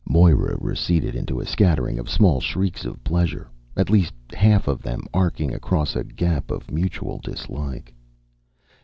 Moira receded into a scattering of small shrieks of pleasure, at least half of them arcing across a gap of mutual dislike.